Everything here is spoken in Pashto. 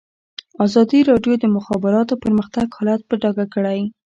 ازادي راډیو د د مخابراتو پرمختګ حالت په ډاګه کړی.